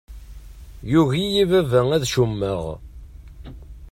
Yugi-iyi baba ad cummeɣ.